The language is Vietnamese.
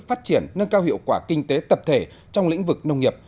phát triển nâng cao hiệu quả kinh tế tập thể trong lĩnh vực nông nghiệp